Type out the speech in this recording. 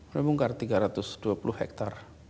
mereka bongkar tiga ratus dua puluh hektar